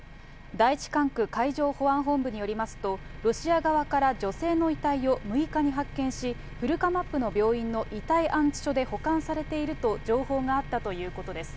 第１管区海上保安本部によりますと、ロシア側から女性の遺体を６日に発見し、古釜布の病院の遺体安置所で保管されていると情報があったということです。